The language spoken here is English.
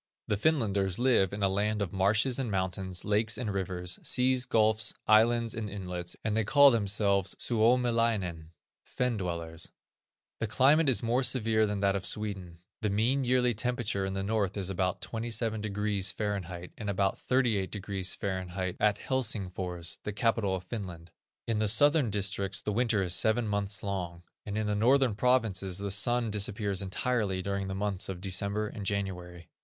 The Finlanders live in a land of marshes and mountains, lakes and rivers, seas, gulfs, islands, and inlets, and they call themselves Suomilainen, Fen dwellers. The climate is more severe than that of Sweden. The mean yearly temperature in the north is about 27°F., and about 38°F., at Helsingfors, the capital of Finland. In the southern districts the winter is seven months long, and in the northern provinces the sun disappears entirely during the months of December and January.